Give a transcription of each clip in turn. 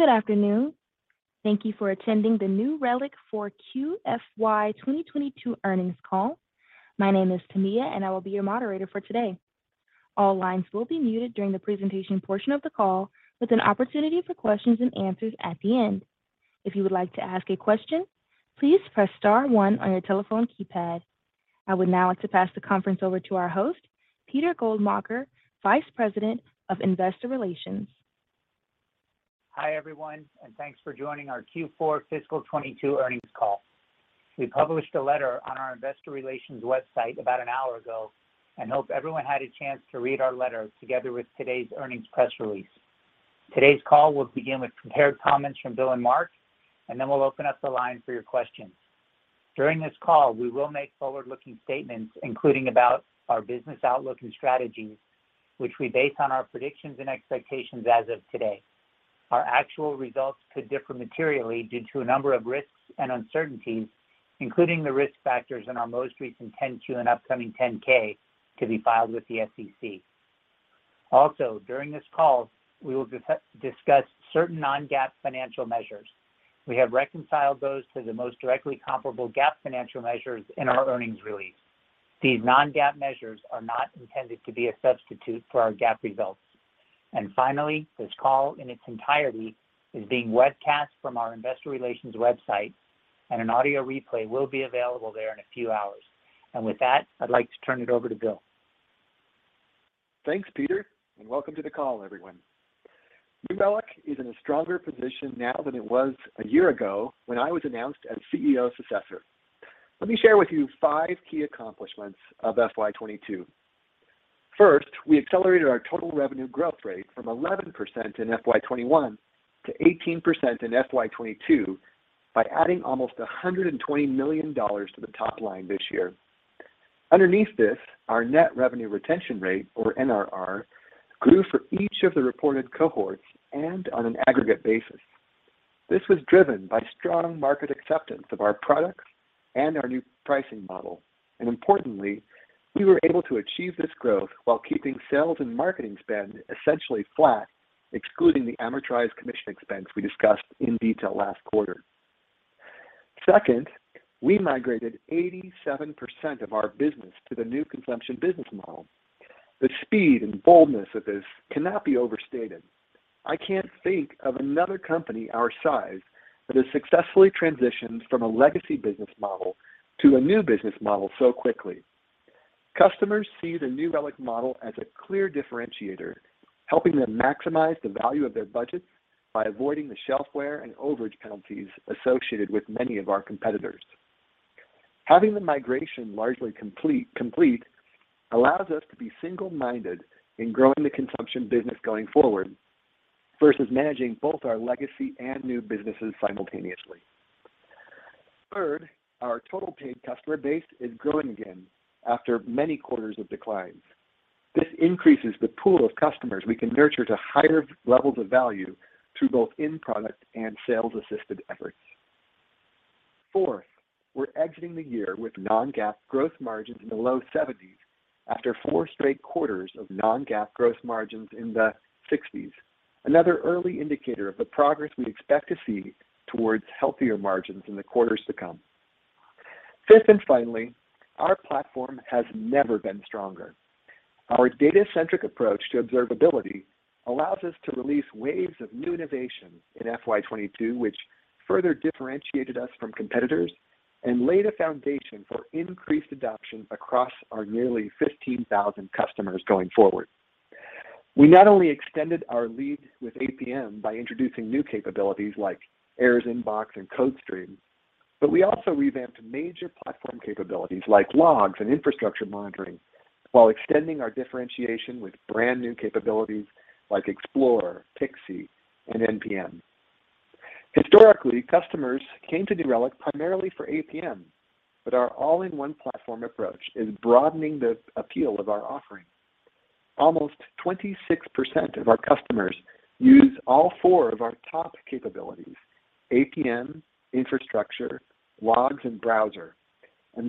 Good afternoon. Thank you for attending the New Relic 4Q FY 2022 earnings call. My name is Tamiya, and I will be your moderator for today. All lines will be muted during the presentation portion of the call with an opportunity for questions and answers at the end. If you would like to ask a question, please press star one on your telephone keypad. I would now like to pass the conference over to our host, Peter Goldmacher, Vice President of Investor Relations. Hi, everyone, and thanks for joining our Q4 fiscal 2022 earnings call. We published a letter on our investor relations website about an hour ago and hope everyone had a chance to read our letter together with today's earnings press release. Today's call will begin with prepared comments from Bill and Mark, and then we'll open up the line for your questions. During this call, we will make forward-looking statements, including about our business outlook and strategies, which we base on our predictions and expectations as of today. Our actual results could differ materially due to a number of risks and uncertainties, including the risk factors in our most recent 10-Q and upcoming 10-K to be filed with the SEC. Also, during this call, we will discuss certain non-GAAP financial measures. We have reconciled those to the most directly comparable GAAP financial measures in our earnings release. These non-GAAP measures are not intended to be a substitute for our GAAP results. Finally, this call in its entirety is being webcast from our investor relations website, and an audio replay will be available there in a few hours. With that, I'd like to turn it over to Bill. Thanks, Peter, and welcome to the call, everyone. New Relic is in a stronger position now than it was a year ago when I was announced as CEO successor. Let me share with you five key accomplishments of FY 2022. First, we accelerated our total revenue growth rate from 11% in FY 2021 to 18% in FY 2022 by adding almost $120 million to the top line this year. Underneath this, our net revenue retention rate, or NRR, grew for each of the reported cohorts and on an aggregate basis. This was driven by strong market acceptance of our products and our new pricing model. Importantly, we were able to achieve this growth while keeping sales and marketing spend essentially flat, excluding the amortized commission expense we discussed in detail last quarter. Second, we migrated 87% of our business to the new consumption business model. The speed and boldness of this cannot be overstated. I can't think of another company our size that has successfully transitioned from a legacy business model to a new business model so quickly. Customers see the New Relic model as a clear differentiator, helping them maximize the value of their budgets by avoiding the shelfware and overage penalties associated with many of our competitors. Having the migration largely complete allows us to be single-minded in growing the consumption business going forward versus managing both our legacy and new businesses simultaneously. Third, our total paid customer base is growing again after many quarters of declines. This increases the pool of customers we can nurture to higher levels of value through both in product and sales assisted efforts. Fourth, we're exiting the year with non-GAAP growth margins in the low 70s% afte four straight quarters of non-GAAP growth margins in the 60s%. Another early indicator of the progress we expect to see towards healthier margins in the quarters to come. Fifth, and finally, our platform has never been stronger. Our data-centric approach to observability allows us to release waves of new innovation in FY 2022, which further differentiated us from competitors and laid a foundation for increased adoption across our nearly 15,000 customers going forward. We not only extended our lead with APM by introducing new capabilities like Errors Inbox and CodeStream, but we also revamped major platform capabilities like logs and infrastructure monitoring while extending our differentiation with brand new capabilities like Explorer, Pixie, and NPM. Historically, customers came to New Relic primarily for APM, but our all-in-one platform approach is broadening the appeal of our offering. Almost 26% of our customers use all four of our top capabilities, APM, infrastructure, logs, and browser.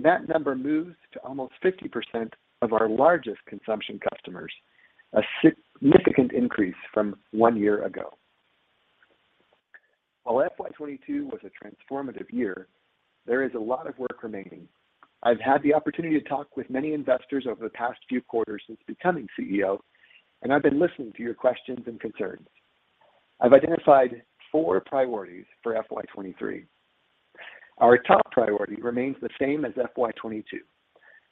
That number moves to almost 50% of our largest consumption customers, a significant increase from one year ago. While FY 2022 was a transformative year, there is a lot of work remaining. I've had the opportunity to talk with many investors over the past few quarters since becoming CEO, and I've been listening to your questions and concerns. I've identified four priorities for FY 2023. Our top priority remains the same as FY 2022,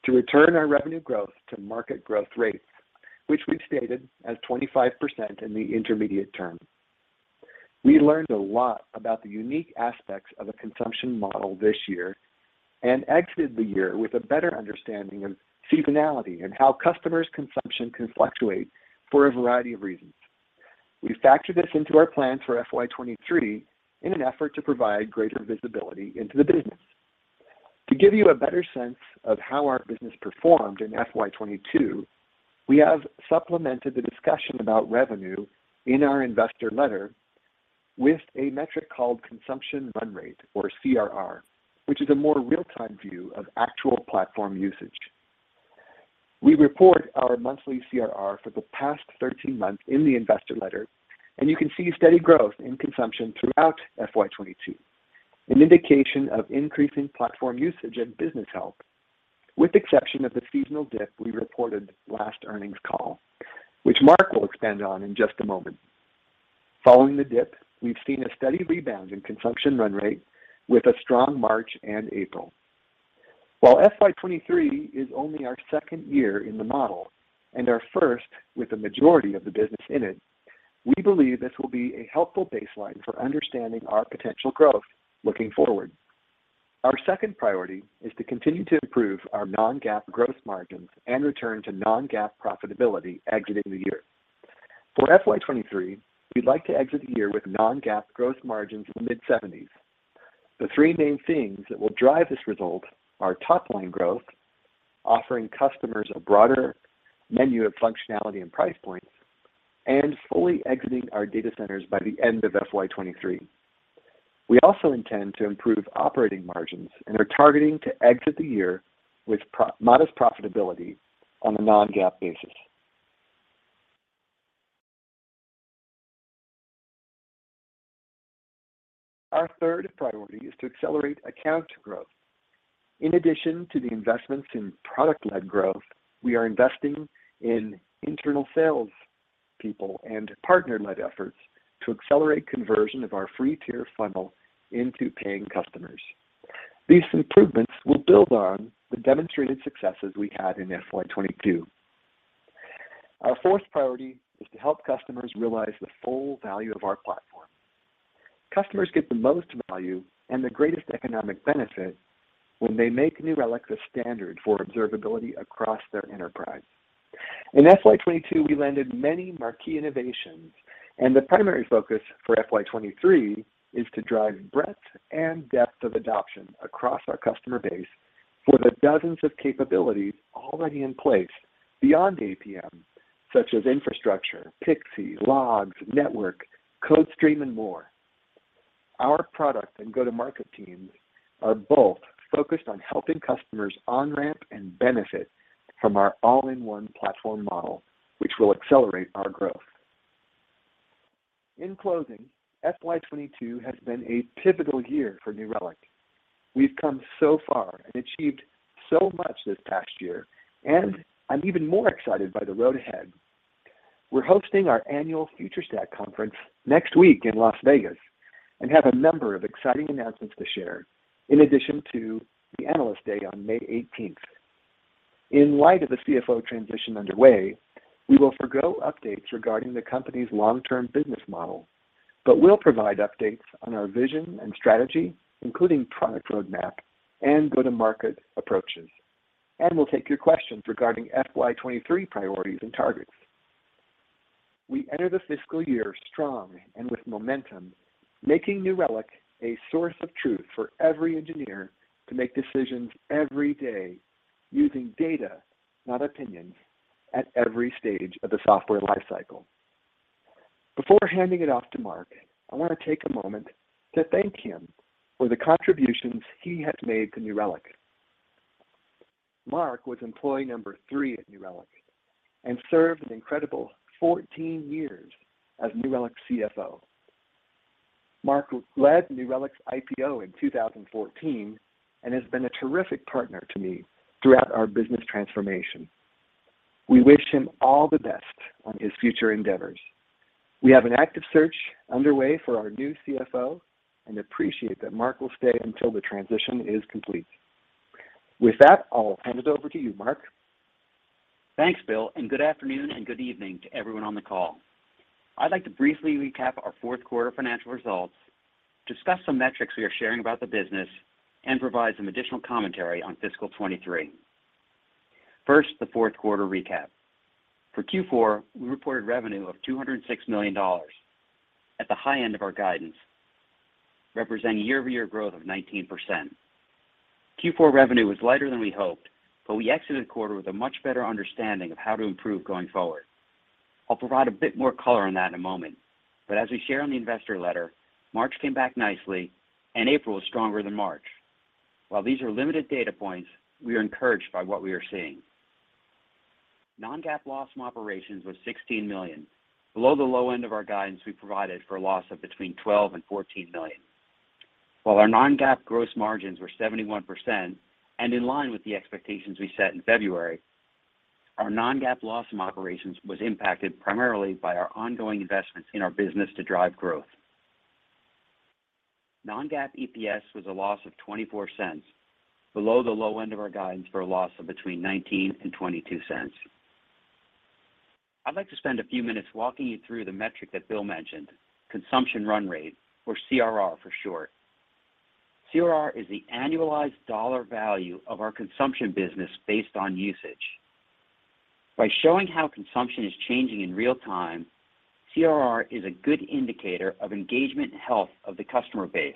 to return our revenue growth to market growth rates, which we've stated as 25% in the intermediate term. We learned a lot about the unique aspects of a consumption model this year and exited the year with a better understanding of seasonality and how customers' consumption can fluctuate for a variety of reasons. We factor this into our plan for FY 2023 in an effort to provide greater visibility into the business. To give you a better sense of how our business performed in FY 2022, we have supplemented the discussion about revenue in our investor letter with a metric called consumption run rate or CRR, which is a more real-time view of actual platform usage. We report our monthly CRR for the past 13 months in the investor letter, and you can see steady growth in consumption throughout FY 2022, an indication of increasing platform usage and business health, with the exception of the seasonal dip we reported last earnings call, which Mark will expand on in just a moment. Following the dip, we've seen a steady rebound in consumption run rate with a strong March and April. While FY 2023 is only our second year in the model and our first with the majority of the business in it, we believe this will be a helpful baseline for understanding our potential growth looking forward. Our second priority is to continue to improve our non-GAAP gross margins and return to non-GAAP profitability exiting the year. For FY 2023, we'd like to exit the year with non-GAAP gross margins in the mid-70s%. The three main themes that will drive this result are top line growth, offering customers a broader menu of functionality and price points, and fully exiting our data centers by the end of FY 2023. We also intend to improve operating margins and are targeting to exit the year with modest profitability on a non-GAAP basis. Our third priority is to accelerate account growth. In addition to the investments in product-led growth, we are investing in internal sales people and partner-led efforts to accelerate conversion of our free tier funnel into paying customers. These improvements will build on the demonstrated successes we had in FY 2022. Our fourth priority is to help customers realize the full value of our platform. Customers get the most value and the greatest economic benefit when they make New Relic the standard for observability across their enterprise. In FY 2022, we landed many marquee innovations, and the primary focus for FY 2023 is to drive breadth and depth of adoption across our customer base for the dozens of capabilities already in place beyond APM, such as infrastructure, Pixie, logs, network, CodeStream, and more. Our product and go-to-market teams are both focused on helping customers on-ramp and benefit from our all-in-one platform model, which will accelerate our growth. In closing, FY 2022 has been a pivotal year for New Relic. We've come so far and achieved so much this past year, and I'm even more excited by the road ahead. We're hosting our annual FutureStack conference next week in Las Vegas and have a number of exciting announcements to share in addition to the Analyst Day on May 18. In light of the CFO transition underway, we will forego updates regarding the company's long-term business model, but we'll provide updates on our vision and strategy, including product roadmap and go-to-market approaches, and we'll take your questions regarding FY 2023 priorities and targets. We enter the fiscal year strong and with momentum, making New Relic a source of truth for every engineer to make decisions every day using data, not opinions, at every stage of the software life cycle. Before handing it off to Mark, I want to take a moment to thank him for the contributions he has made to New Relic. Mark was employee number three at New Relic and served an incredible 14 years as New Relic's CFO. Mark led New Relic's IPO in 2014 and has been a terrific partner to me throughout our business transformation. We wish him all the best on his future endeavors. We have an active search underway for our new CFO and appreciate that Mark will stay until the transition is complete. With that, I'll hand it over to you, Mark. Thanks, Bill, and good afternoon and good evening to everyone on the call. I'd like to briefly recap our fourth quarter financial results, discuss some metrics we are sharing about the business, and provide some additional commentary on fiscal 2023. First, the fourth quarter recap. For Q4, we reported revenue of $206 million at the high end of our guidance, representing year-over-year growth of 19%. Q4 revenue was lighter than we hoped, but we exited the quarter with a much better understanding of how to improve going forward. I'll provide a bit more color on that in a moment. As we share in the investor letter, March came back nicely and April was stronger than March. While these are limited data points, we are encouraged by what we are seeing. Non-GAAP loss from operations was $16 million, below the low end of our guidance we provided for a loss of between $12 million and $14 million. While our non-GAAP gross margins were 71% and in line with the expectations we set in February, our non-GAAP loss from operations was impacted primarily by our ongoing investments in our business to drive growth. Non-GAAP EPS was a loss of $0.24, below the low end of our guidance for a loss of between $0.19 and $0.22. I'd like to spend a few minutes walking you through the metric that Bill mentioned, consumption run rate, or CRR for short. CRR is the annualized dollar value of our consumption business based on usage. By showing how consumption is changing in real time, CRR is a good indicator of engagement and health of the customer base.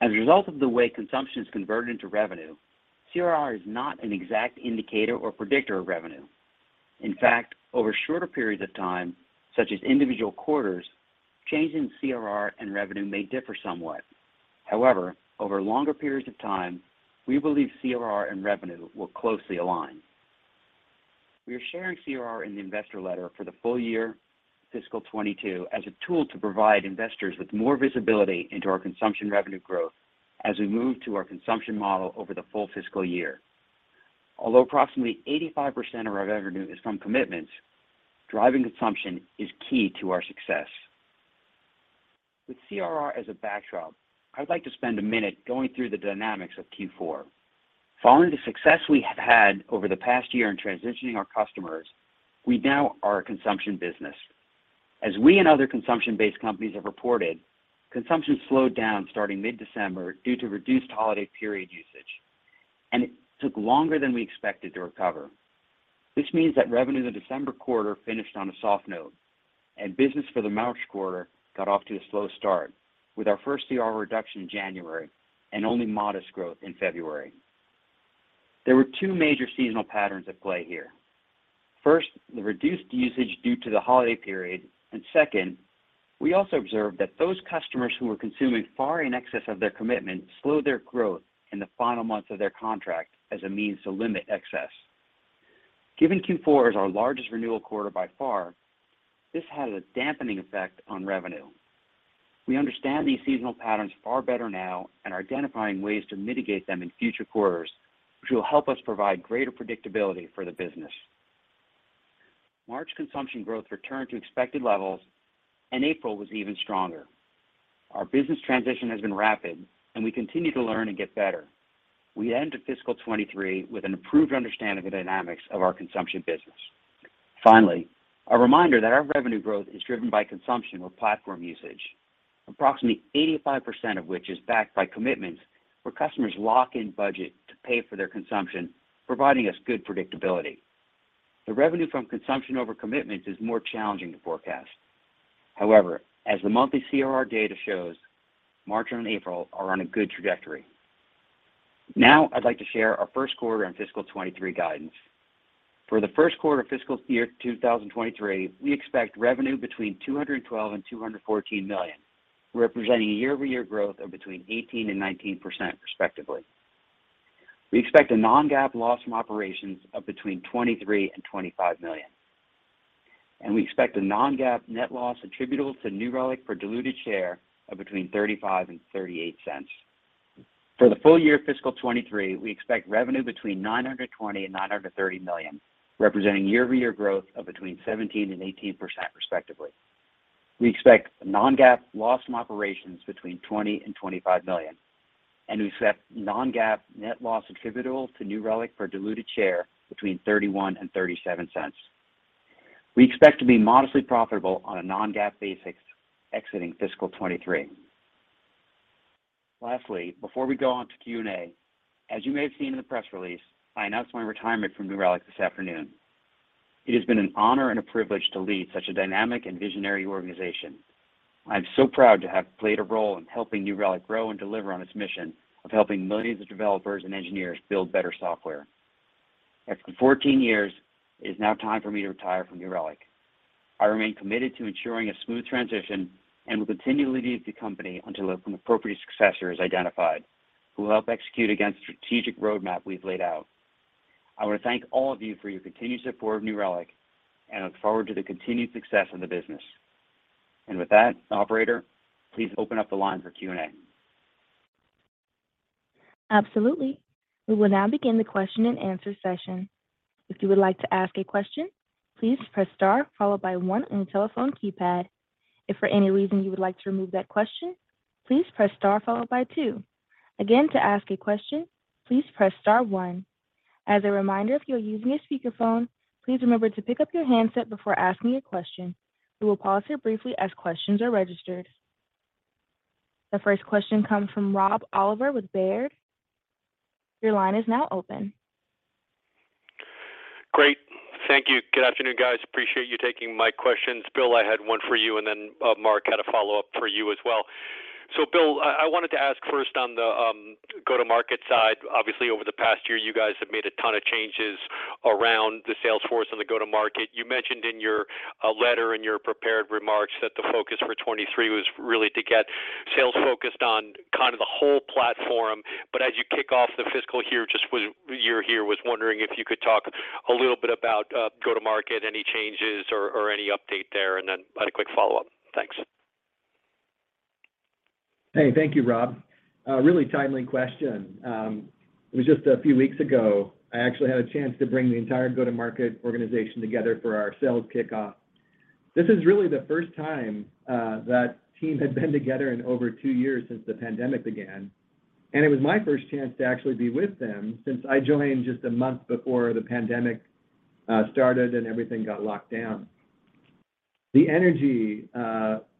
As a result of the way consumption is converted into revenue, CRR is not an exact indicator or predictor of revenue. In fact, over shorter periods of time, such as individual quarters, changes in CRR and revenue may differ somewhat. However, over longer periods of time, we believe CRR and revenue will closely align. We are sharing CRR in the investor letter for the full year fiscal 2022 as a tool to provide investors with more visibility into our consumption revenue growth as we move to our consumption model over the full fiscal year. Although approximately 85% of our revenue is from commitments, driving consumption is key to our success. With CRR as a backdrop, I'd like to spend a minute going through the dynamics of Q4. Following the success we have had over the past year in transitioning our customers, we now are a consumption business. As we and other consumption-based companies have reported, consumption slowed down starting mid-December due to reduced holiday period usage. It took longer than we expected to recover. This means that revenue in the December quarter finished on a soft note, and business for the March quarter got off to a slow start with our first CR reduction in January and only modest growth in February. There were two major seasonal patterns at play here. First, the reduced usage due to the holiday period, and second, we also observed that those customers who were consuming far in excess of their commitment slowed their growth in the final months of their contract as a means to limit excess. Given Q4 is our largest renewal quarter by far, this had a dampening effect on revenue. We understand these seasonal patterns far better now and are identifying ways to mitigate them in future quarters, which will help us provide greater predictability for the business. March consumption growth returned to expected levels, and April was even stronger. Our business transition has been rapid, and we continue to learn and get better. We end fiscal 2023 with an improved understanding of the dynamics of our consumption business. Finally, a reminder that our revenue growth is driven by consumption or platform usage, approximately 85% of which is backed by commitments where customers lock in budget to pay for their consumption, providing us good predictability. The revenue from consumption over commitments is more challenging to forecast. However, as the monthly CRR data shows, March and April are on a good trajectory. Now I'd like to share our first quarter and fiscal 2023 guidance. For the first quarter of fiscal year 2023, we expect revenue between $212-$214 million, representing a year-over-year growth of between 18%-19% respectively. We expect a non-GAAP loss from operations of between $23-$25 million. We expect a non-GAAP net loss attributable to New Relic for diluted share of between $0.35-$0.38. For the full year fiscal 2023, we expect revenue between $920-$930 million, representing year-over-year growth of between 17%-18% respectively. We expect non-GAAP loss from operations between $20-$25 million, and we expect non-GAAP net loss attributable to New Relic for diluted share between $0.31-$0.37. We expect to be modestly profitable on a non-GAAP basis exiting fiscal 2023. Lastly, before we go on to Q&A, as you may have seen in the press release, I announced my retirement from New Relic this afternoon. It has been an honor and a privilege to lead such a dynamic and visionary organization. I'm so proud to have played a role in helping New Relic grow and deliver on its mission of helping millions of developers and engineers build better software. After 14 years, it is now time for me to retire from New Relic. I remain committed to ensuring a smooth transition and will continue leading the company until an appropriate successor is identified who will help execute against the strategic roadmap we've laid out. I want to thank all of you for your continued support of New Relic and look forward to the continued success of the business. With that, operator, please open up the line for Q&A. Absolutely. We will now begin the question and answer session. If you would like to ask a question, please press star followed by one on your telephone keypad. If for any reason you would like to remove that question, please press star followed by two. Again, to ask a question, please press star one. As a reminder, if you're using a speakerphone, please remember to pick up your handset before asking a question. We will pause here briefly as questions are registered. The first question comes from Rob Oliver with Baird. Your line is now open. Great. Thank you. Good afternoon, guys. Appreciate you taking my questions. Bill, I had one for you, and then Mark had a follow-up for you as well. Bill, I wanted to ask first on the go-to-market side. Obviously, over the past year, you guys have made a ton of changes around the sales force and the go-to-market. You mentioned in your letter, in your prepared remarks that the focus for 2023 was really to get sales focused on kind of the whole platform. As you kick off the fiscal year, was wondering if you could talk a little bit about go-to-market, any changes or any update there, and then I had a quick follow-up. Thanks. Hey, thank you, Rob. A really timely question. It was just a few weeks ago, I actually had a chance to bring the entire go-to-market organization together for our sales kickoff. This is really the first time that team had been together in over two years since the pandemic began, and it was my first chance to actually be with them since I joined just a month before the pandemic started and everything got locked down. The energy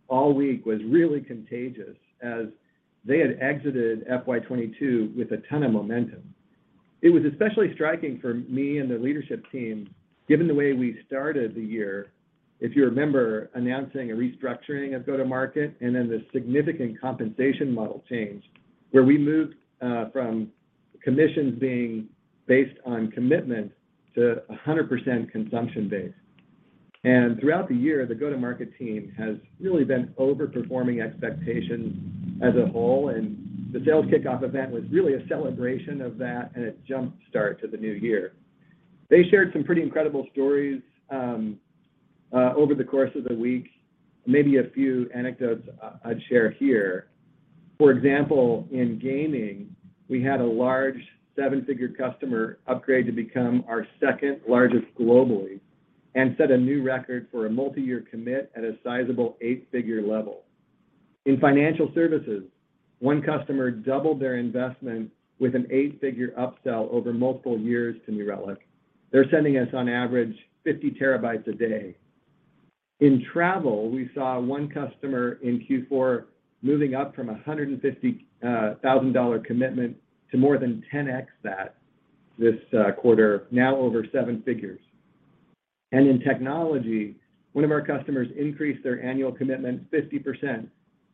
all week was really contagious as they had exited FY 2022 with a ton of momentum. It was especially striking for me and the leadership team, given the way we started the year, if you remember, announcing a restructuring of go-to-market and then the significant compensation model change, where we moved from commissions being based on commitment to 100% consumption base. Throughout the year, the go-to-market team has really been overperforming expectations as a whole, and the sales kickoff event was really a celebration of that and a jump start to the new year. They shared some pretty incredible stories over the course of the week, maybe a few anecdotes I'd share here. For example, in gaming, we had a large seven-figure customer upgrade to become our second largest globally and set a new record for a multi-year commit at a sizable eight-figure level. In financial services, one customer doubled their investment with an eight-figure upsell over multiple years to New Relic. They're sending us on average 50 TB a day. In travel, we saw one customer in Q4 moving up from a $150,000 commitment to more than 10x that this quarter, now over seven figures. In technology, one of our customers increased their annual commitment 50%,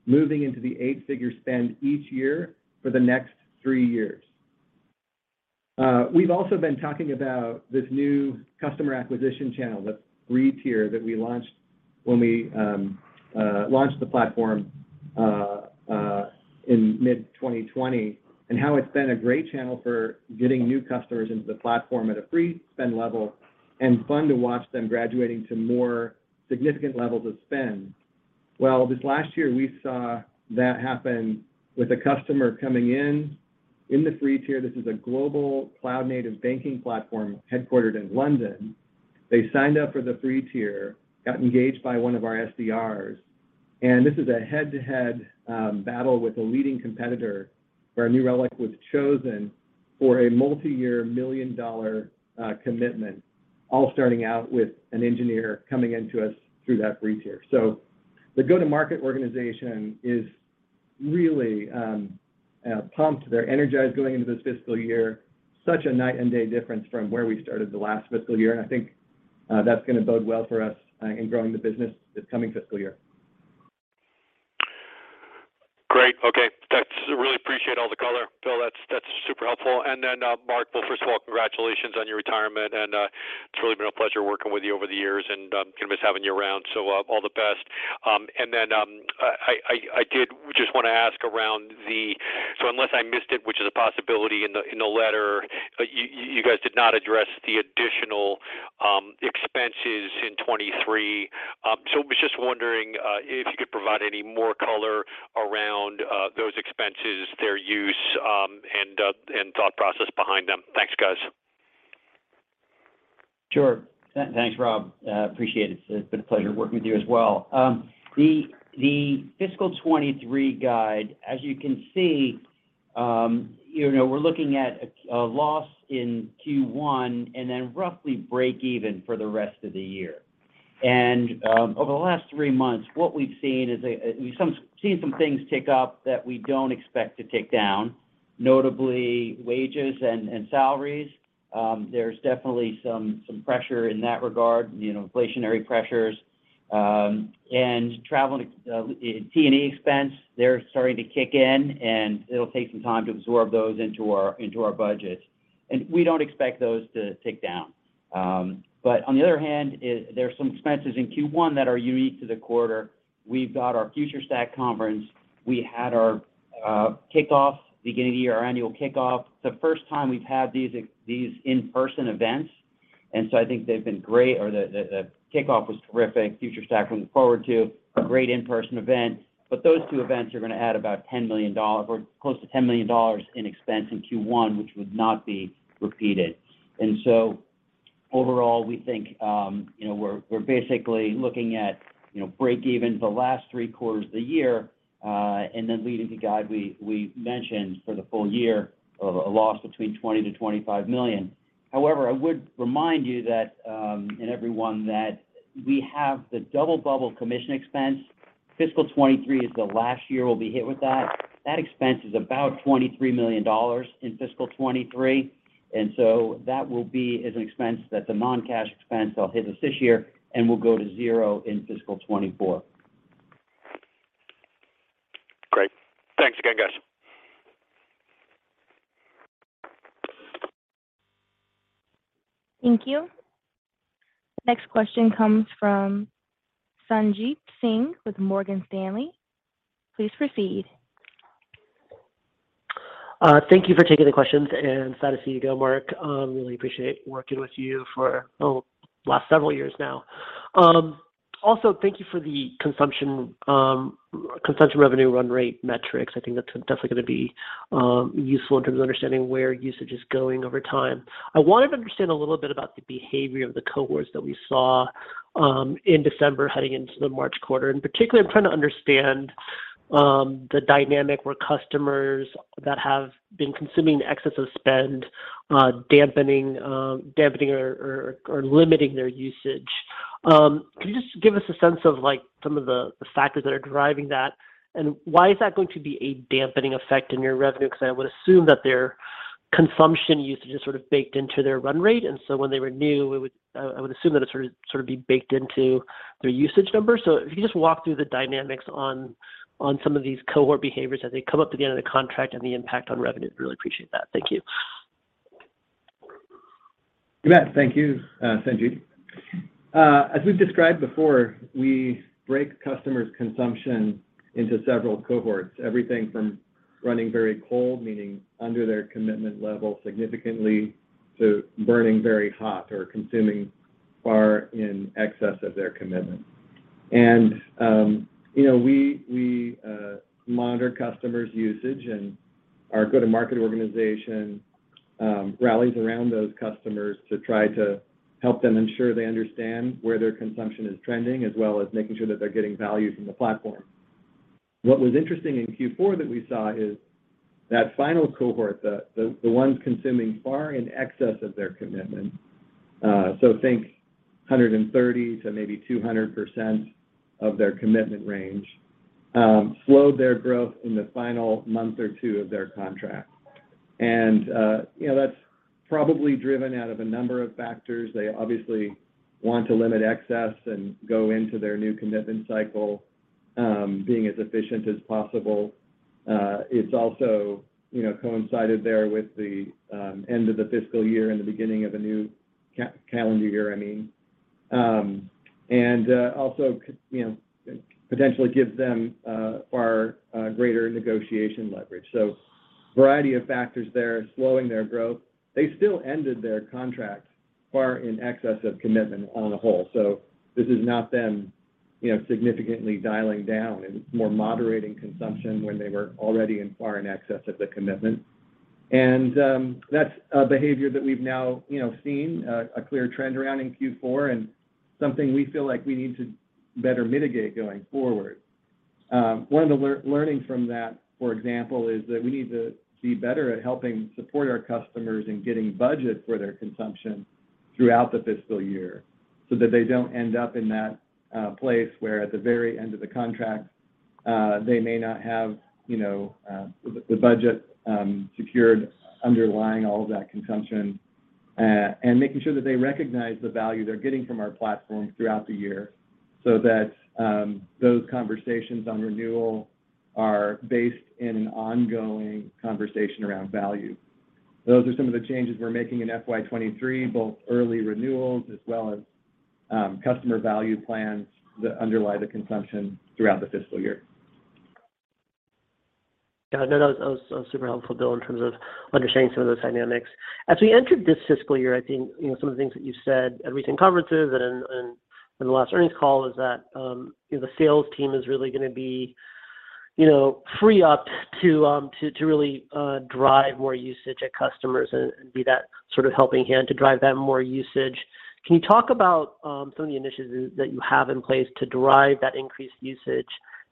moving into the eight-figure spend each year for the next three years. We've also been talking about this new customer acquisition channel, the free tier that we launched when we launched the platform in mid-2020, and how it's been a great channel for getting new customers into the platform at a free spend level, and fun to watch them graduating to more significant levels of spend. Well, this last year, we saw that happen with a customer coming in in the free tier. This is a global cloud-native banking platform headquartered in London. They signed up for the free tier, got engaged by one of our SDRs, and this is a head-to-head battle with a leading competitor where New Relic was chosen for a multi-year, million-dollar commitment, all starting out with an engineer coming into us through that free tier. The go-to-market organization is really pumped. They're energized going into this fiscal year. Such a night and day difference from where we started the last fiscal year, and I think that's gonna bode well for us in growing the business this coming fiscal year. Great. Okay. That's. I really appreciate all the color, Bill. That's super helpful. Mark, well, first of all, congratulations on your retirement, and it's really been a pleasure working with you over the years, and I'm gonna miss having you around. All the best. I did just wanna ask. Unless I missed it, which is a possibility in the letter, you guys did not address the additional expenses in 2023. I was just wondering if you could provide any more color around those expenses, their use, and thought process behind them. Thanks, guys. Sure. Thanks, Rob. Appreciate it. It's been a pleasure working with you as well. The fiscal 2023 guide, as you can see, we're looking at a loss in Q1 and then roughly break even for the rest of the year. Over the last three months, what we've seen is some things tick up that we don't expect to tick down, notably wages and salaries. There's definitely some pressure in that regard, inflationary pressures, and travel T&E expense. They're starting to kick in, and it'll take some time to absorb those into our budget. We don't expect those to tick down. But on the other hand, there are some expenses in Q1 that are unique to the quarter. We've got our FutureStack conference. We had our kickoff beginning of the year, our annual kickoff. The first time we've had these in-person events, I think they've been great, the kickoff was terrific. FutureStack, looking forward to. A great in-person event. Those two events are gonna add about $10 million or close to $10 million in expense in Q1, which would not be repeated. Overall, we think, you know, we're basically looking at, you know, break even for the last three quarters of the year, and then leading into the guide we mentioned for the full year of a loss between $20-$25 million. However, I would remind you and everyone that we have the double bubble commission expense. Fiscal 2023 is the last year we'll be hit with that. That expense is about $23 million in fiscal 2023. That will be as an expense that the non-cash expense that'll hit us this year and will go to zero in fiscal 2024. Great. Thanks again, guys. Thank you. Next question comes from Sanjit Singh with Morgan Stanley. Please proceed. Thank you for taking the questions and sad to see you go, Mark. Really appreciate working with you for, well, last several years now. Also thank you for the consumption revenue run rate metrics. I think that's definitely gonna be useful in terms of understanding where usage is going over time. I wanted to understand a little bit about the behavior of the cohorts that we saw in December heading into the March quarter. Particularly, I'm trying to understand the dynamic where customers that have been consuming excess of spend dampening or limiting their usage. Can you just give us a sense of, like, some of the factors that are driving that? Why is that going to be a dampening effect in your revenue? Because I would assume that their consumption usage is sort of baked into their run rate. When they renew, I would assume that it sort of be baked into their usage numbers. If you could just walk through the dynamics on some of these cohort behaviors as they come up to the end of the contract and the impact on revenue, really appreciate that. Thank you. You bet. Thank you, Sanjit. As we've described before, we break customers' consumption into several cohorts. Everything from running very cold, meaning under their commitment level significantly, to burning very hot or consuming far in excess of their commitment. You know, we monitor customers' usage, and our go-to-market organization rallies around those customers to try to help them ensure they understand where their consumption is trending, as well as making sure that they're getting value from the platform. What was interesting in Q4 that we saw is that final cohort, the ones consuming far in excess of their commitment, so think 130% to maybe 200% of their commitment range, slowed their growth in the final month or two of their contract. You know, that's probably driven out of a number of factors. They obviously want to limit excess and go into their new commitment cycle, being as efficient as possible. It's also, you know, coincided there with the end of the fiscal year and the beginning of a new calendar year, I mean. Also you know, potentially gives them far greater negotiation leverage. Variety of factors there slowing their growth. They still ended their contract far in excess of commitment on the whole. This is not them, you know, significantly dialing down. It's more moderating consumption when they were already in far in excess of the commitment. That's a behavior that we've now, you know, seen a clear trend around in Q4 and something we feel like we need to better mitigate going forward. One of the learning from that, for example, is that we need to be better at helping support our customers in getting budget for their consumption throughout the fiscal year, so that they don't end up in that place where at the very end of the contract, they may not have, you know, the budget secured underlying all of that consumption. Making sure that they recognize the value they're getting from our platform throughout the year so that those conversations on renewal are based in an ongoing conversation around value. Those are some of the changes we're making in FY 2023, both early renewals as well as customer value plans that underlie the consumption throughout the fiscal year. Got it. No, that was super helpful, Bill, in terms of understanding some of those dynamics. As we entered this fiscal year, I think, you know, some of the things that you said at recent conferences and in the last earnings call is that, you know, the sales team is really gonna be, you know, free up to to really drive more usage at customers and be that sort of helping hand to drive that more usage. Can you talk about some of the initiatives that you have in place to drive that increased usage?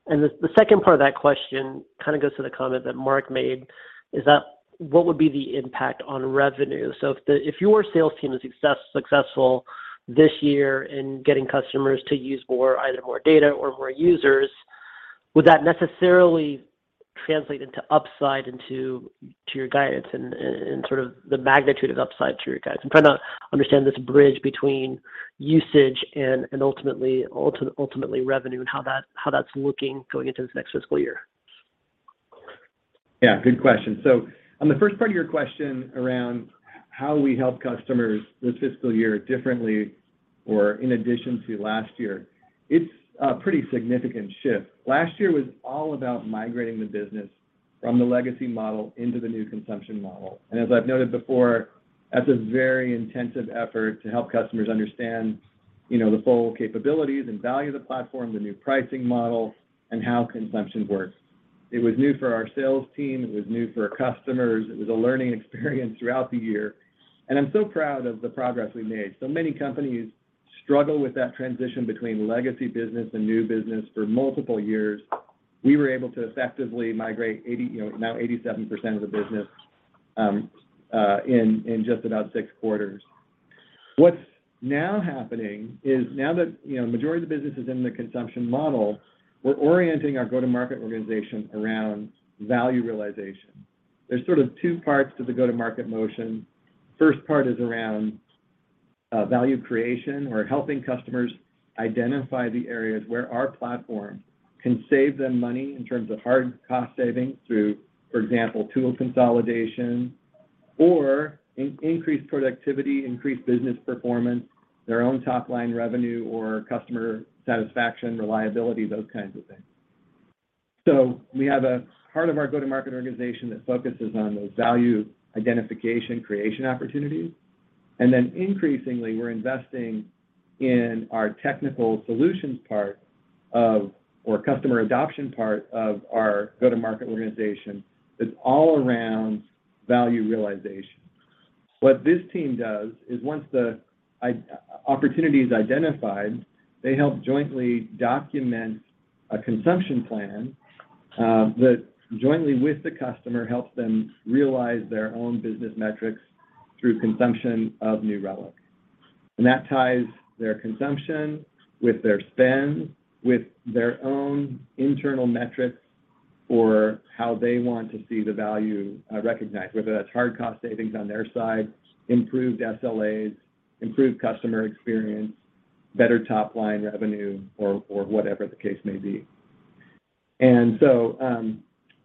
The second part of that question kind of goes to the comment that Mark made, is that what would be the impact on revenue? If your sales team is successful this year in getting customers to use more, either more data or more users, would that necessarily translate into upside to your guidance and sort of the magnitude of upside to your guidance? I'm trying to understand this bridge between usage and ultimately revenue and how that's looking going into this next fiscal year. Yeah, good question. On the first part of your question around how we help customers this fiscal year differently or in addition to last year, it's a pretty significant shift. Last year was all about migrating the business from the legacy model into the new consumption model. As I've noted before, that's a very intensive effort to help customers understand, you know, the full capabilities and value of the platform, the new pricing model, and how consumption works. It was new for our sales team. It was new for our customers. It was a learning experience throughout the year, and I'm so proud of the progress we made. Many companies struggle with that transition between legacy business and new business for multiple years. We were able to effectively migrate 80%, you know, now 87% of the business in just about six quarters. What's now happening is that, you know, majority of the business is in the consumption model, we're orienting our go-to-market organization around value realization. There's sort of two parts to the go-to-market motion. First part is around value creation. We're helping customers identify the areas where our platform can save them money in terms of hard cost savings through, for example, tool consolidation or increased productivity, increased business performance, their own top-line revenue or customer satisfaction, reliability, those kinds of things. We have a part of our go-to-market organization that focuses on those value identification creation opportunities. Increasingly, we're investing in our technical solutions part of, or customer adoption part of our go-to-market organization that's all around value realization. What this team does is once the opportunity is identified, they help jointly document a consumption plan that jointly with the customer helps them realize their own business metrics through consumption of New Relic. That ties their consumption with their spend, with their own internal metrics for how they want to see the value recognized, whether that's hard cost savings on their side, improved SLAs, improved customer experience, better top-line revenue or whatever the case may be.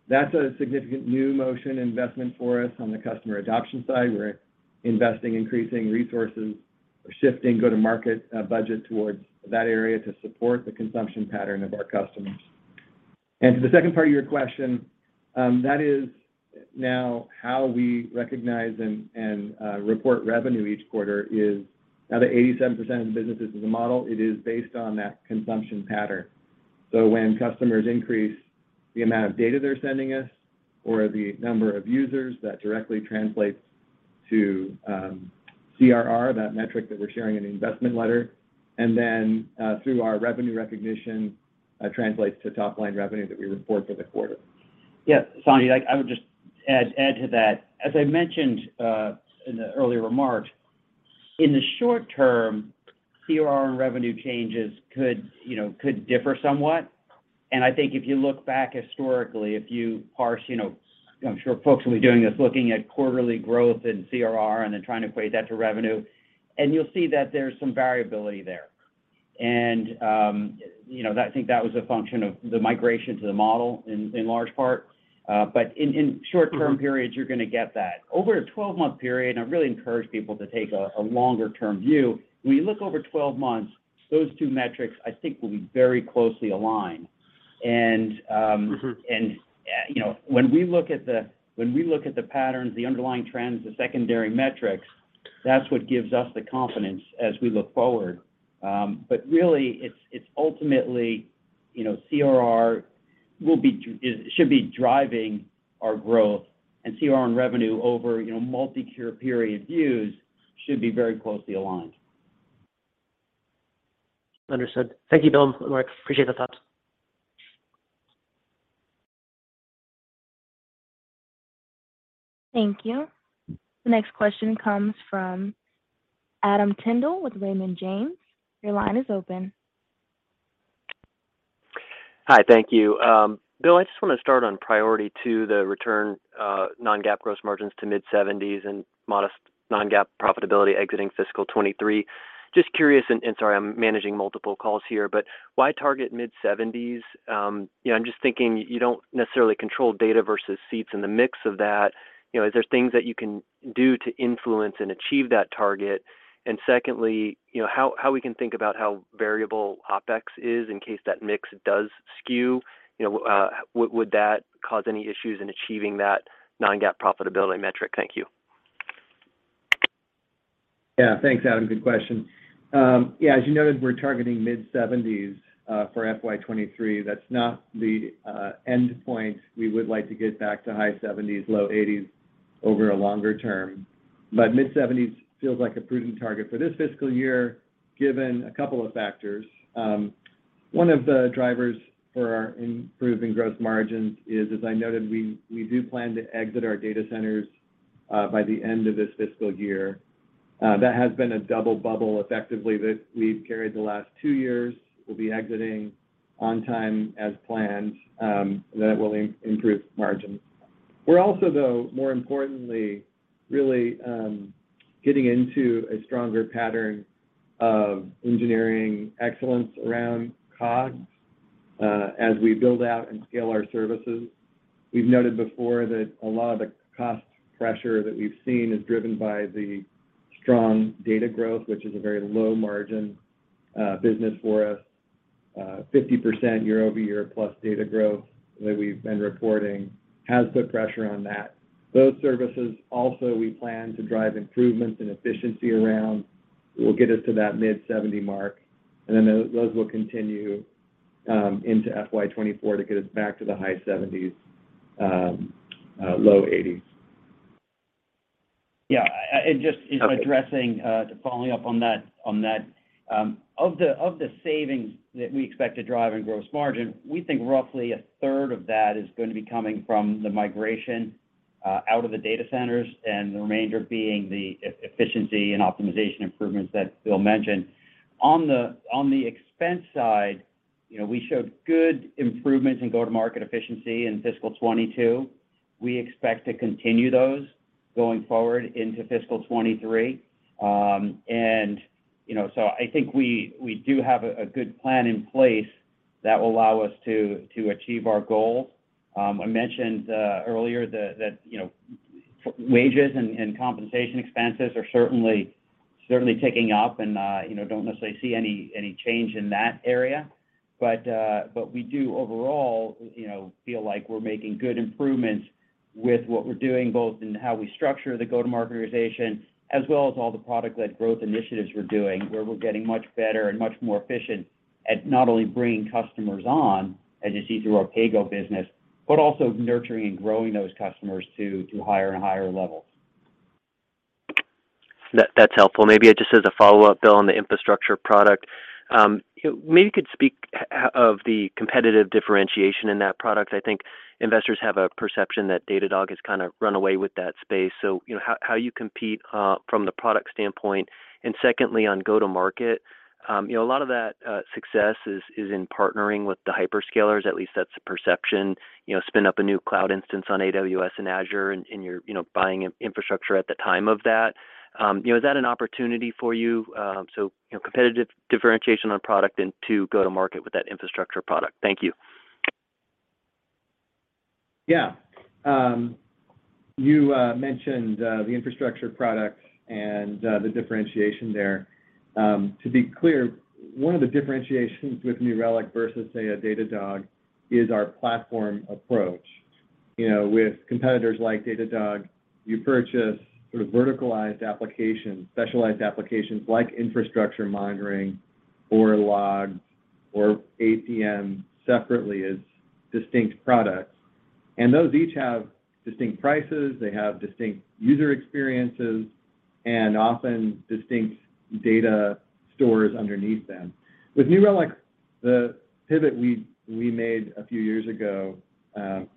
That's a significant new motion investment for us on the customer adoption side. We're investing increasing resources or shifting go-to-market budget towards that area to support the consumption pattern of our customers. To the second part of your question, that is now how we recognize and report revenue each quarter is now that 87% of the business is a model, it is based on that consumption pattern. When customers increase the amount of data they're sending us or the number of users, that directly translates to CRR, that metric that we're sharing in the investment letter, and then through our revenue recognition translates to top-line revenue that we report for the quarter. Yeah, Sanjit, like, I would just add to that. As I mentioned in the earlier remarks, in the short term, CRR and revenue changes could, you know, could differ somewhat. I think if you look back historically, if you parse, you know, I'm sure folks will be doing this, looking at quarterly growth in CRR and then trying to equate that to revenue, and you'll see that there's some variability there. You know, I think that was a function of the migration to the model in large part. But in short-term periods, you're gonna get that. Over a 12-month period, I really encourage people to take a longer-term view. When you look over 12 months, those two metrics, I think, will be very closely aligned. Mm-hmm You know, when we look at the patterns, the underlying trends, the secondary metrics, that's what gives us the confidence as we look forward. Really it's ultimately, you know, CRR should be driving our growth. CRR and revenue over, you know, multi-year period views should be very closely aligned. Understood. Thank you, Bill and Mark. Appreciate the thoughts. Thank you. The next question comes from Adam Tindle with Raymond James. Your line is open. Hi. Thank you. Bill, I just wanna start on priority two, the return non-GAAP gross margins to mid-70s% and modest non-GAAP profitability exiting fiscal 2023. Just curious, sorry, I'm managing multiple calls here, but why target mid-70s%? You know, I'm just thinking you don't necessarily control data versus seats in the mix of that. You know, is there things that you can do to influence and achieve that target? Secondly, you know, how we can think about how variable OpEx is in case that mix does skew, you know, would that cause any issues in achieving that non-GAAP profitability metric? Thank you. Yeah. Thanks, Adam. Good question. As you noted, we're targeting mid-70s% for FY 2023. That's not the end point. We would like to get back to high 70s%, low 80s% over a longer term. Mid-70s% feels like a prudent target for this fiscal year, given a couple of factors. One of the drivers for our improving gross margins is, as I noted, we do plan to exit our data centers by the end of this fiscal year. That has been a double bubble effectively that we've carried the last two years. We'll be exiting on time as planned, and that will improve margins. We're also, though, more importantly, really getting into a stronger pattern of engineering excellence around COGS as we build out and scale our services. We've noted before that a lot of the cost pressure that we've seen is driven by the strong data growth, which is a very low margin business for us. 50% year-over-year plus data growth that we've been reporting has put pressure on that. Those services also we plan to drive improvements in efficiency around will get us to that mid-70s% mark, and then those will continue into FY 2024 to get us back to the high 70s%, low 80s%. Yeah. Okay You know, following up on that, of the savings that we expect to drive in gross margin, we think roughly a third of that is going to be coming from the migration out of the data centers, and the remainder being the efficiency and optimization improvements that Bill mentioned. On the expense side, you know, we showed good improvements in go-to-market efficiency in fiscal 2022. We expect to continue those going forward into fiscal 2023. You know, I think we do have a good plan in place that will allow us to achieve our goals. I mentioned earlier that you know, wages and compensation expenses are certainly ticking up and, you know, don't necessarily see any change in that area. We do overall, you know, feel like we're making good improvements with what we're doing, both in how we structure the go-to-market organization as well as all the product-led growth initiatives we're doing, where we're getting much better and much more efficient at not only bringing customers on, as you see through our PayGo business, but also nurturing and growing those customers to higher and higher levels. That's helpful. Maybe just as a follow-up, Bill, on the infrastructure product, maybe you could speak of the competitive differentiation in that product. I think investors have a perception that Datadog has kind of run away with that space, you know, how you compete from the product standpoint. Secondly, on go-to-market, you know, a lot of that success is in partnering with the hyperscalers, at least that's the perception. You know, spin up a new cloud instance on AWS and Azure, and you're buying infrastructure at the time of that. You know, is that an opportunity for you? Competitive differentiation on product and go-to-market with that infrastructure product. Thank you. Yeah. You mentioned the infrastructure products and the differentiation there. To be clear, one of the differentiations with New Relic versus, say, a Datadog is our platform approach. You know, with competitors like Datadog, you purchase sort of verticalized applications, specialized applications like infrastructure monitoring or logs or APM separately as distinct products. Those each have distinct prices, they have distinct user experiences, and often distinct data stores underneath them. With New Relic, the pivot we made a few years ago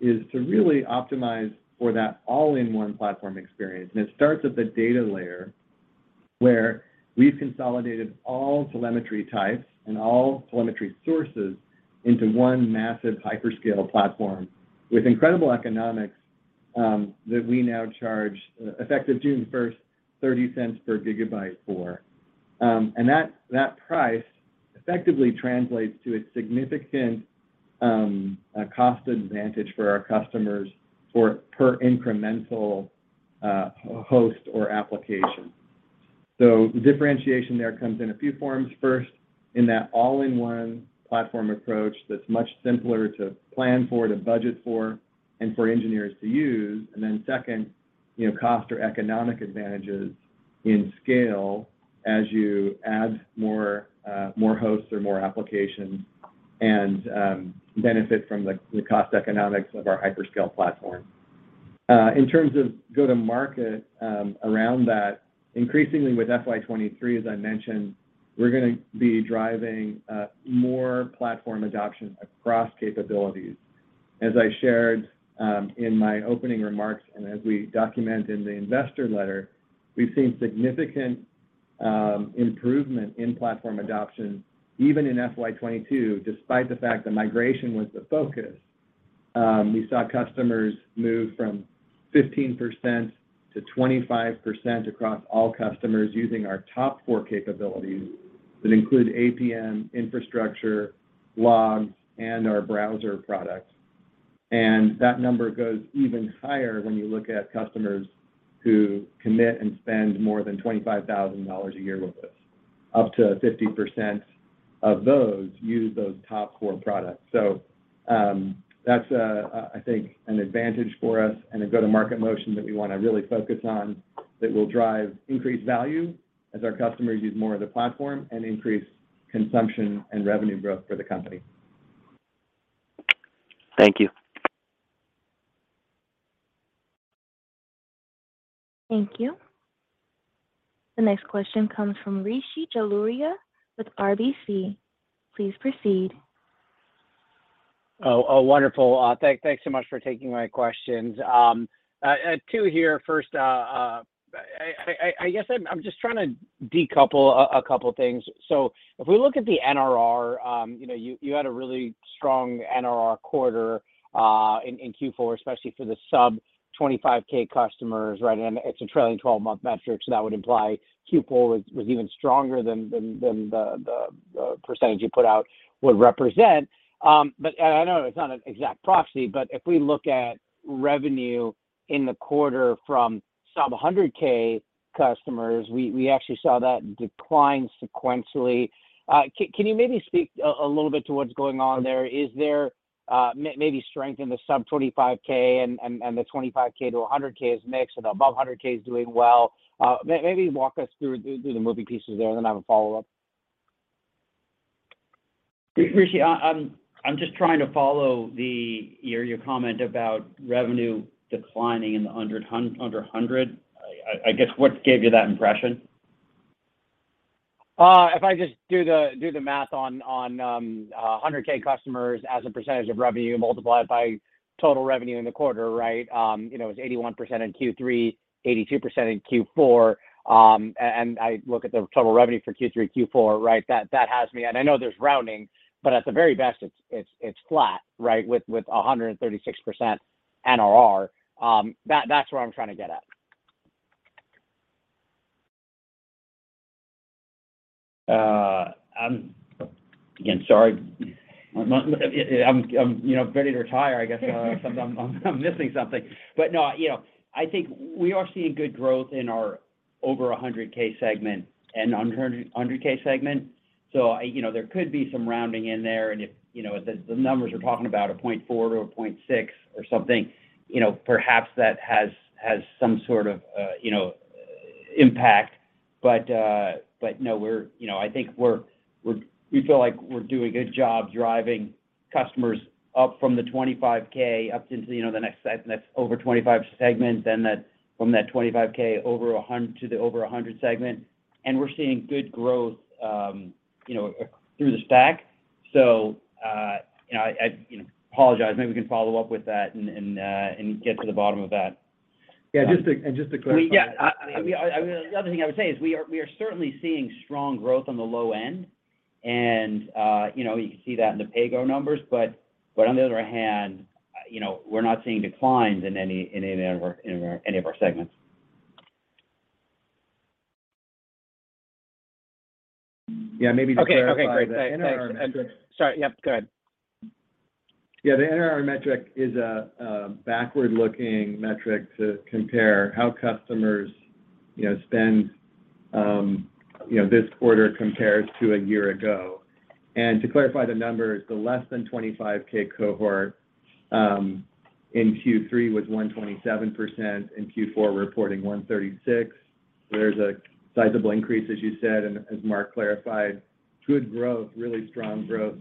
is to really optimize for that all-in-one platform experience. It starts at the data layer where we've consolidated all telemetry types and all telemetry sources into one massive hyperscale platform with incredible economics that we now charge effective June first, $0.30 per GB for it. That price effectively translates to a significant cost advantage for our customers per incremental host or application. The differentiation there comes in a few forms. First, in that all-in-one platform approach that's much simpler to plan for, to budget for, and for engineers to use. Second, you know, cost or economic advantages in scale as you add more hosts or more applications and benefit from the cost economics of our hyperscale platform. In terms of go-to-market around that, increasingly with FY 2023, as I mentioned, we're gonna be driving more platform adoption across capabilities. As I shared in my opening remarks and as we document in the investor letter, we've seen significant improvement in platform adoption, even in FY 2022, despite the fact that migration was the focus. We saw customers move from 15% to 25% across all customers using our top four capabilities that include APM, infrastructure, logs, and our browser products. That number goes even higher when you look at customers who commit and spend more than $25,000 a year with us. Up to 50% of those use those top core products. That's a, I think, an advantage for us and a go-to-market motion that we wanna really focus on that will drive increased value as our customers use more of the platform and increase consumption and revenue growth for the company. Thank you. Thank you. The next question comes from Rishi Jaluria with RBC. Please proceed. Wonderful. Thanks so much for taking my questions. Two here. First, I guess I'm just trying to decouple a couple things. If we look at the NRR, you know, you had a really strong NRR quarter in Q4, especially for the sub 25,000 customers, right? It's a trailing twelve-month metric, so that would imply Q4 was even stronger than the percentage you put out would represent. I know it's not an exact proxy, but if we look at revenue in the quarter from sub 100,000 customers, we actually saw that decline sequentially. Can you maybe speak a little bit to what's going on there? Is there maybe strength in the sub-25,000 and the 25,000-100,000 is mixed, and above 100,000 is doing well? Maybe walk us through the moving pieces there, and then I have a follow-up. Rishi, I'm just trying to follow your comment about revenue declining under 100,000. I guess, what gave you that impression? If I just do the math on 100,000 customers as a percentage of revenue multiplied by total revenue in the quarter, right? You know, it was 81% in Q3, 82% in Q4. I look at the total revenue for Q3, Q4, right? That has me. I know there's rounding, but at the very best, it's flat, right? With 136% NRR. That's where I'm trying to get at. I'm again sorry. I'm ready to retire, I guess. I'm missing something. No, you know, I think we are seeing good growth in our over 100,000 segment and under 100,000 segment. You know, there could be some rounding in there. If you know the numbers we're talking about, 0.4-0.6 or something, you know, perhaps that has some sort of impact. No, you know, I think we feel like we're doing a good job driving customers up from the 25,000 up into you know the next segment that's over 25,000 segment. That, from that 25,000 over 100,000 to the over 100,000 segment. We're seeing good growth, you know, through the stack. You know, I you know, apologize. Maybe we can follow up with that and get to the bottom of that. Yeah, just to clarify. I mean, the other thing I would say is we are certainly seeing strong growth on the low end. You know, you can see that in the PayGo numbers. On the other hand, you know, we're not seeing declines in any of our segments. Yeah, maybe to clarify the NRR metric. Okay. Okay, great. Sorry. Yep, go ahead. Yeah, the NRR metric is a backward-looking metric to compare how customers, you know, spend, you know, this quarter compares to a year ago. To clarify the numbers, the less than 25,000 cohort in Q3 was 127%, in Q4, we're reporting 136%. There's a sizable increase, as you said, and as Mark clarified. Good growth, really strong growth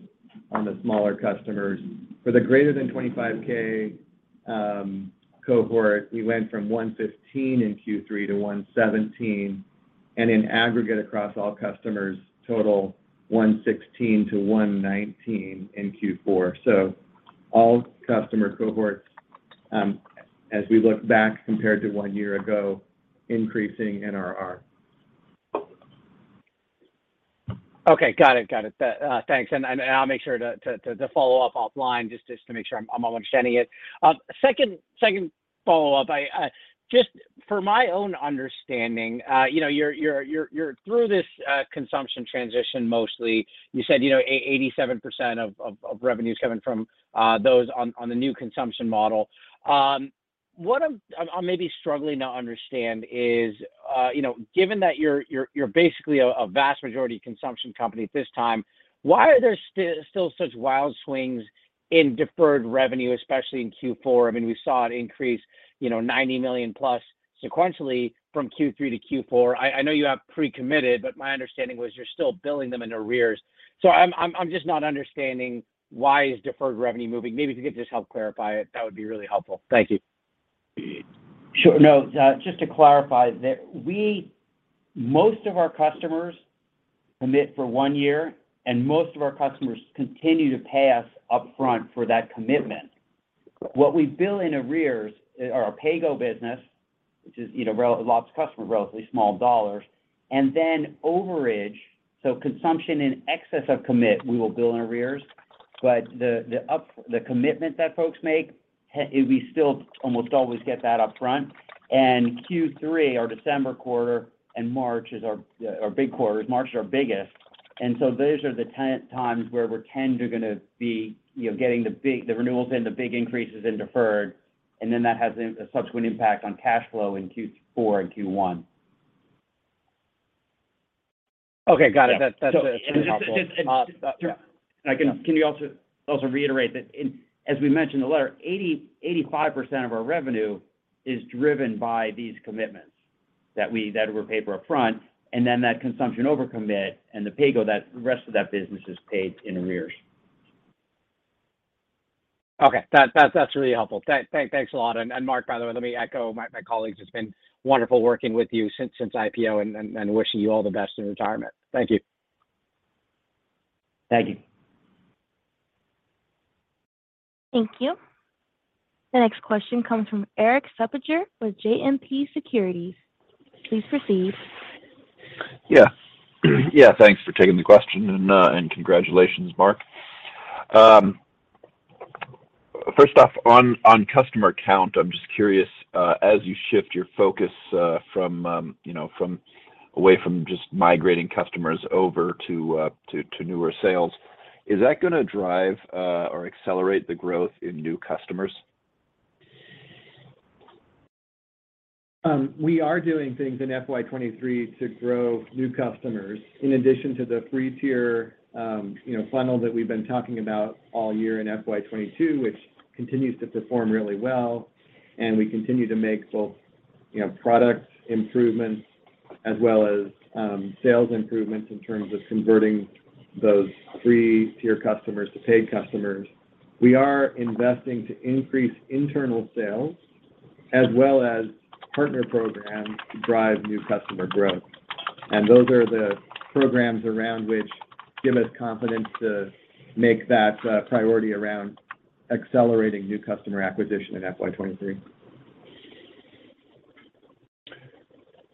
on the smaller customers. For the greater than 25,000 cohort, we went from 115% in Q3 to 117%, and in aggregate across all customers total 116%-119% in Q4. All customer cohorts, as we look back compared to one year ago, increasing NRR. Okay. Got it. Thanks. I'll make sure to follow up offline just to make sure I'm understanding it. Second follow-up. I just for my own understanding, you know, you're through this consumption transition mostly. You said, you know, 87% of revenue is coming from those on the new consumption model. What I'm maybe struggling to understand is, you know, given that you're basically a vast majority consumption company at this time, why are there still such wild swings in deferred revenue, especially in Q4? I mean, we saw it increase, you know, $90 million plus sequentially from Q3 to Q4. I know you have pre-committed, but my understanding was you're still billing them in arrears. I'm just not understanding why is deferred revenue moving. Maybe if you could just help clarify it, that would be really helpful. Thank you. Sure. No, just to clarify that most of our customers commit for one year, and most of our customers continue to pay us up front for that commitment. What we bill in arrears are our PayGo business, which is, you know, lots of customers, relatively small dollars, and then overage. Consumption in excess of commit, we will bill in arrears. The commitment that folks make, we still almost always get that up front. Q3, our December quarter, and March is our big quarters. March is our biggest. Those are the times where we tend to gonna be, you know, getting the renewals in, the big increases in deferred, and then that has a subsequent impact on cash flow in Q4 and Q1. Okay. Got it. Yeah. That's really helpful. Yeah. Yeah. Can we also reiterate that in, as we mentioned in the letter, 85% of our revenue is driven by these commitments that were paid for up front, and then that consumption overcommit and the PayGo, that rest of that business is paid in arrears. Okay. That's really helpful. Thanks a lot. Mark, by the way, let me echo my colleagues. It's been wonderful working with you since IPO and wishing you all the best in retirement. Thank you. Thank you. Thank you. The next question comes from Erik Suppiger with JMP Securities. Please proceed. Yeah. Yeah, thanks for taking the question and congratulations, Mark. First off, on customer count, I'm just curious as you shift your focus away from just migrating customers over to newer sales, is that gonna drive or accelerate the growth in new customers? We are doing things in FY 2023 to grow new customers in addition to the free tier, you know, funnel that we've been talking about all year in FY 2022, which continues to perform really well. We continue to make both, you know, product improvements as well as, sales improvements in terms of converting those free tier customers to paid customers. We are investing to increase internal sales as well as partner programs to drive new customer growth. Those are the programs around which give us confidence to make that priority around accelerating new customer acquisition in FY 2023.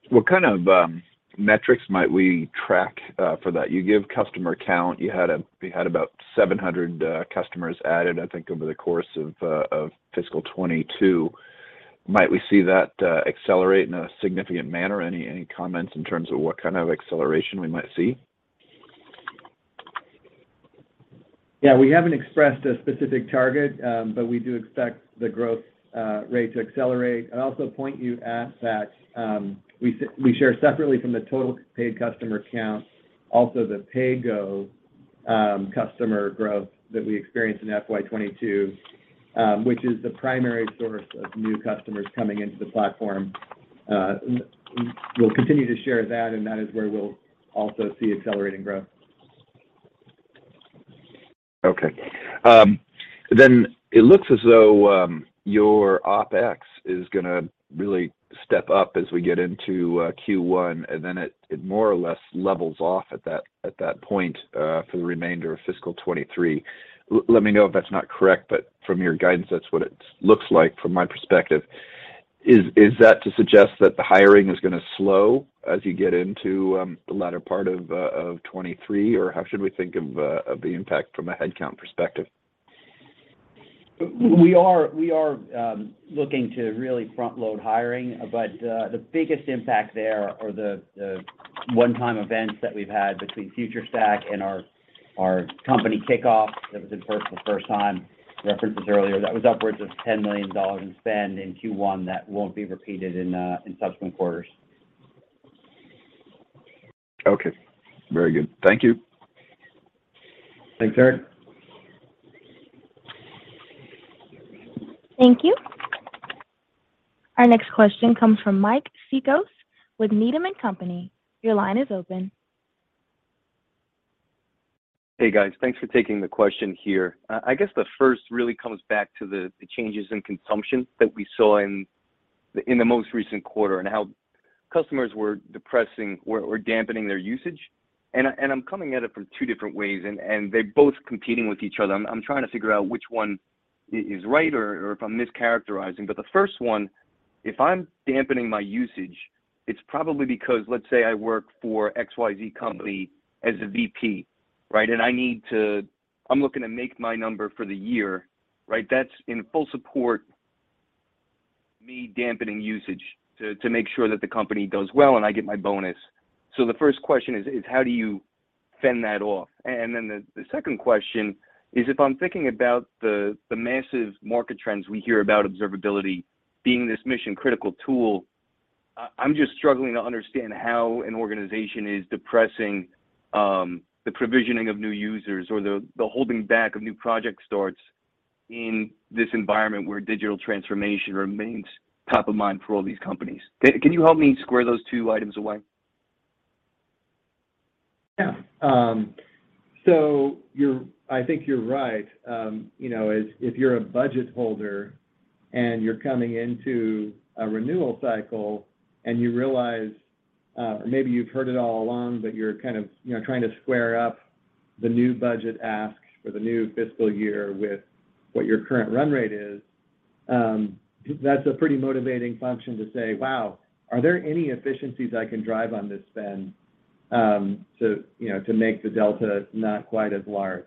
What kind of metrics might we track for that? You give customer count. You had about 700 customers added, I think, over the course of fiscal 2022. Might we see that accelerate in a significant manner? Any comments in terms of what kind of acceleration we might see? Yeah, we haven't expressed a specific target, but we do expect the growth rate to accelerate. I'd also point you at that, we share separately from the total paid customer count, also the PayGo customer growth that we experienced in FY 2022, which is the primary source of new customers coming into the platform. We'll continue to share that, and that is where we'll also see accelerating growth. Okay. It looks as though your OpEx is gonna really step up as we get into Q1, and then it more or less levels off at that point for the remainder of fiscal 2023. Let me know if that's not correct, but from your guidance, that's what it looks like from my perspective. Is that to suggest that the hiring is gonna slow as you get into the latter part of 2023, or how should we think of the impact from a headcount perspective? We are looking to really front-load hiring, but the biggest impact there are the one-time events that we've had between FutureStack and our company kickoff that was in-person for the first time, referenced this earlier, that was upwards of $10 million in spend in Q1 that won't be repeated in subsequent quarters. Okay. Very good. Thank you. Thanks, Erik. Thank you. Our next question comes from Mike Cikos with Needham & Company. Your line is open. Hey, guys. Thanks for taking the question here. I guess the first really comes back to the changes in consumption that we saw in the most recent quarter and how customers were depressing or dampening their usage. I'm coming at it from two different ways, and they're both competing with each other. I'm trying to figure out which one is right or if I'm mischaracterizing. The first one, if I'm dampening my usage, it's probably because let's say I work for XYZ company as a VP, right? I'm looking to make my number for the year, right? That's in full support me dampening usage to make sure that the company does well and I get my bonus. The first question is how do you fend that off? The second question is if I'm thinking about the massive market trends we hear about observability being this mission-critical tool, I'm just struggling to understand how an organization is suppressing the provisioning of new users or the holding back of new project starts in this environment where digital transformation remains top of mind for all these companies. Can you help me square those two items away? Yeah. I think you're right. You know, as if you're a budget holder and you're coming into a renewal cycle and you realize, maybe you've heard it all along, but you're kind of, you know, trying to square up the new budget ask for the new fiscal year with what your current run rate is, that's a pretty motivating function to say, "Wow, are there any efficiencies I can drive on this spend, to, you know, to make the delta not quite as large?"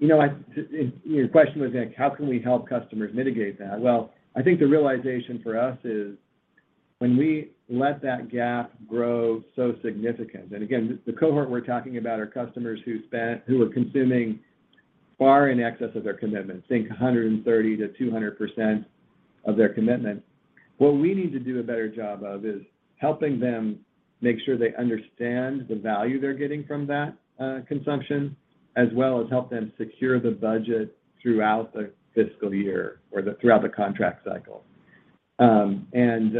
You know, your question was, like, how can we help customers mitigate that? Well, I think the realization for us is when we let that gap grow so significant, and again, the cohort we're talking about are customers who spent, who are consuming far in excess of their commitment, think 130%-200% of their commitment, what we need to do a better job of is helping them make sure they understand the value they're getting from that consumption as well as help them secure the budget throughout the fiscal year or throughout the contract cycle. You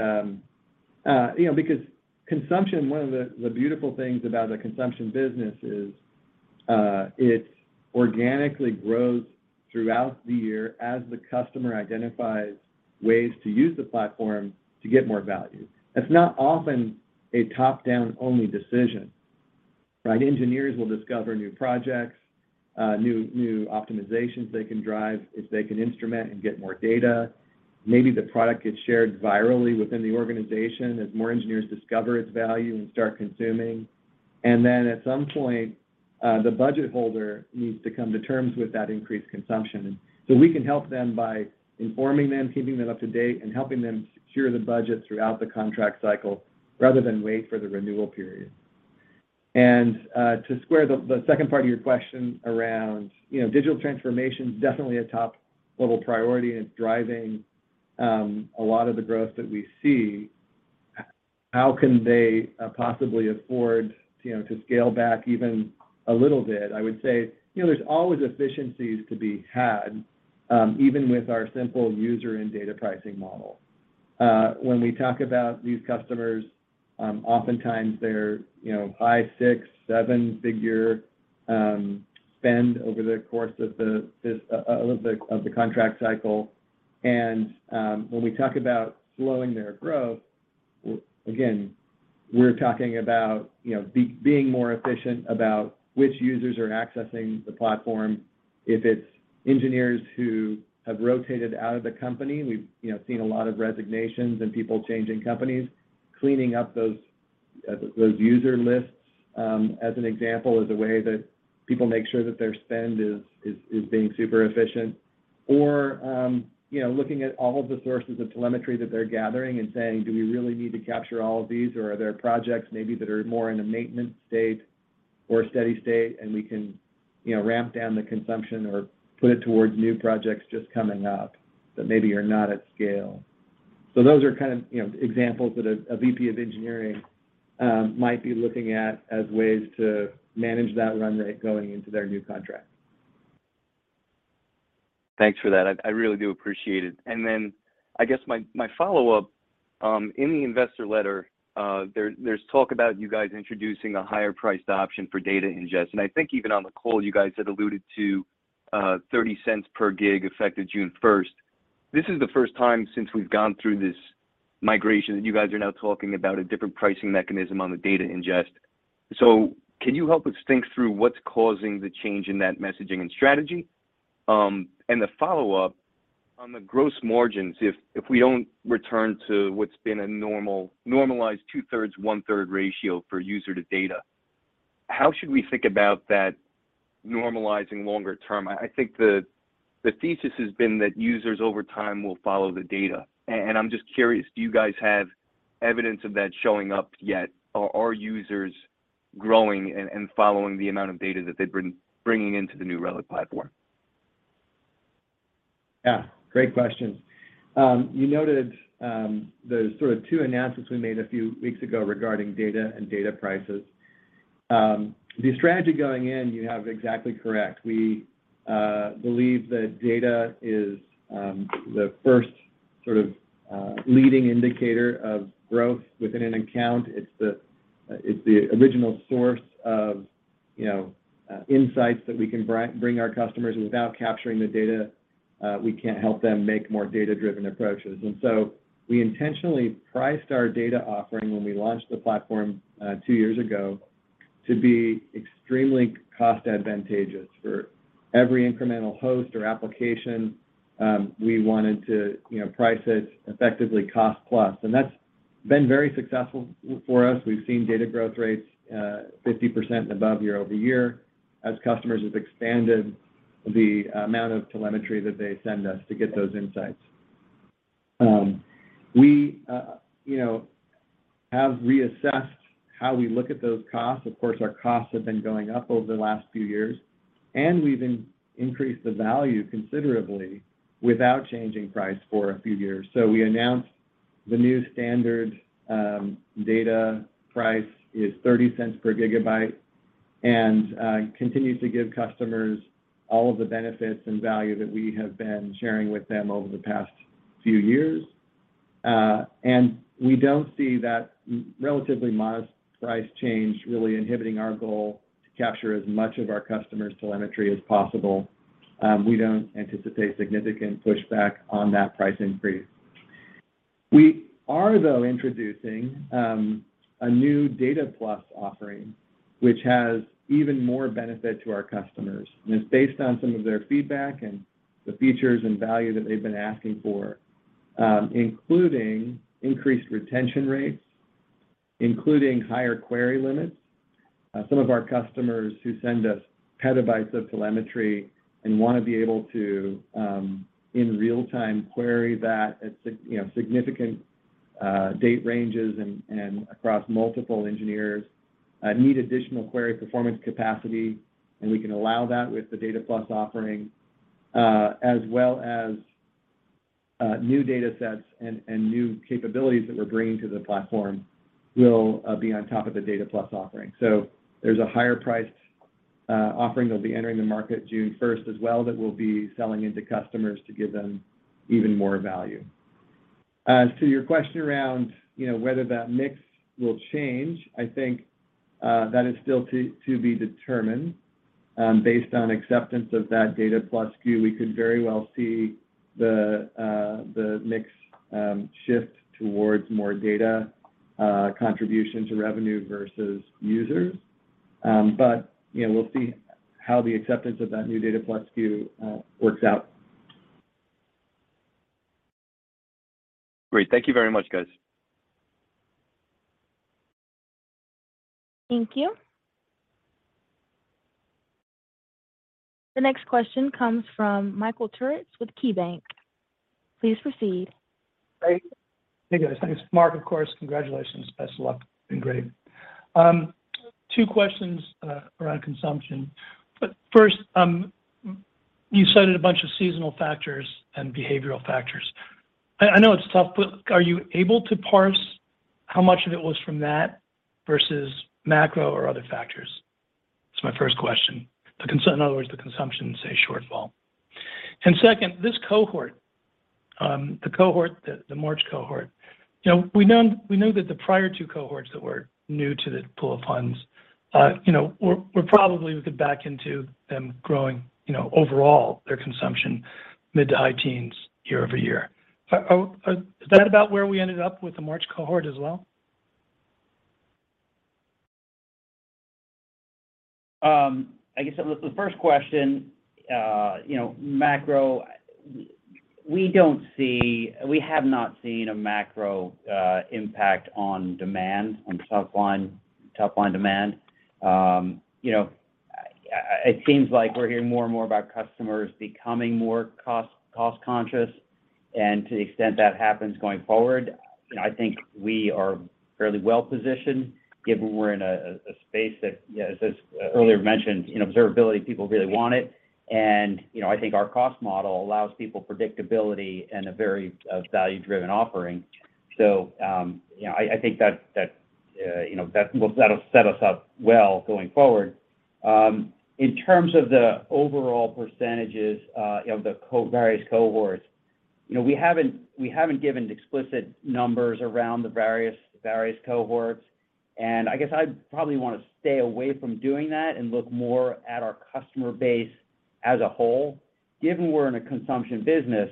know, because consumption, one of the beautiful things about a consumption business is, it organically grows throughout the year as the customer identifies ways to use the platform to get more value. That's not often a top-down only decision, right? Engineers will discover new projects, new optimizations they can drive if they can instrument and get more data. Maybe the product gets shared virally within the organization as more engineers discover its value and start consuming. At some point, the budget holder needs to come to terms with that increased consumption. We can help them by informing them, keeping them up to date, and helping them secure the budget throughout the contract cycle rather than wait for the renewal period. To square the second part of your question around, you know, digital transformation's definitely a top-level priority and it's driving a lot of the growth that we see. How can they possibly afford, you know, to scale back even a little bit? I would say, you know, there's always efficiencies to be had, even with our simple user and data pricing model. When we talk about these customers, oftentimes they're, you know, five-, six-, seven-figure spend over the course of the contract cycle. When we talk about slowing their growth, again, we're talking about, you know, being more efficient about which users are accessing the platform. If it's engineers who have rotated out of the company, we've, you know, seen a lot of resignations and people changing companies, cleaning up those user lists, as an example, is a way that people make sure that their spend is being super efficient. You know, looking at all of the sources of telemetry that they're gathering and saying, "Do we really need to capture all of these, or are there projects maybe that are more in a maintenance state or a steady state and we can, you know, ramp down the consumption or put it towards new projects just coming up that maybe are not at scale?" Those are kind of, you know, examples that a VP of engineering might be looking at as ways to manage that run rate going into their new contract. Thanks for that. I really do appreciate it. I guess my follow-up, in the investor letter, there's talk about you guys introducing a higher priced option for data ingest. I think even on the call you guys had alluded to $0.30 per gig effective June 1st. This is the first time since we've gone through this migration that you guys are now talking about a different pricing mechanism on the data ingest. Can you help us think through what's causing the change in that messaging and strategy? And the follow-up on the gross margins, if we don't return to what's been a normal normalized two-thirds, one-third ratio for user to data, how should we think about that normalizing longer term? I think the thesis has been that users over time will follow the data. I'm just curious, do you guys have evidence of that showing up yet? Are users growing and following the amount of data that they've been bringing into the New Relic platform? Yeah, great questions. You noted the sort of two announcements we made a few weeks ago regarding data and data prices. The strategy going in, you have exactly correct. We believe that data is the first sort of leading indicator of growth within an account. It's the original source of, you know, insights that we can bring our customers. Without capturing the data, we can't help them make more data-driven approaches. We intentionally priced our data offering when we launched the platform two years ago to be extremely cost advantageous. For every incremental host or application, we wanted to, you know, price it effectively cost plus. That's been very successful for us. We've seen data growth rates, 50% above year-over-year as customers have expanded the amount of telemetry that they send us to get those insights. We, you know, have reassessed how we look at those costs. Of course, our costs have been going up over the last few years, and we've increased the value considerably without changing price for a few years. We announced the new standard data price is $0.30 per GB and continue to give customers all of the benefits and value that we have been sharing with them over the past few years. We don't see that relatively modest price change really inhibiting our goal to capture as much of our customers' telemetry as possible. We don't anticipate significant pushback on that price increase. We are, though, introducing a new Data Plus offering, which has even more benefit to our customers, and it's based on some of their feedback and the features and value that they've been asking for, including increased retention rates, including higher query limits. Some of our customers who send us petabytes of telemetry and wanna be able to, in real-time query that at you know, significant date ranges and across multiple engineers need additional query performance capacity, and we can allow that with the Data Plus offering. As well as new datasets and new capabilities that we're bringing to the platform will be on top of the Data Plus offering. There's a higher priced offering that'll be entering the market June first as well that we'll be selling into customers to give them even more value. As to your question around, you know, whether that mix will change, I think, that is still to be determined. Based on acceptance of that Data Plus SKU, we could very well see the mix shift towards more data contribution to revenue versus users. You know, we'll see how the acceptance of that new Data Plus SKU works out. Great. Thank you very much, guys. Thank you. The next question comes from Michael Turits with KeyBanc. Please proceed. Hey. Hey, guys. Thanks. Mark, of course, congratulations. Best of luck. Been great. Two questions around consumption. First, you cited a bunch of seasonal factors and behavioral factors. I know it's tough, but are you able to parse how much of it was from that versus macro or other factors? That's my first question. In other words, the consumption shortfall. And second, this March cohort, you know, we know that the prior two cohorts that were new to the pool of funds, you know, we're probably, we could back into them growing, you know, overall their consumption mid- to high-teens year-over-year. Is that about where we ended up with the March cohort as well? I guess the first question, you know, macro. We have not seen a macro impact on demand, on top-line demand. You know, it seems like we're hearing more and more about customers becoming more cost-conscious. To the extent that happens going forward, you know, I think we are fairly well positioned given we're in a space that, you know, as is earlier mentioned, you know, observability, people really want it. You know, I think our cost model allows people predictability and a very value-driven offering. You know, I think that'll set us up well going forward. In terms of the overall percentages, the various cohorts, we haven't given explicit numbers around the various cohorts. I guess I'd probably wanna stay away from doing that and look more at our customer base as a whole. Given we're in a consumption business,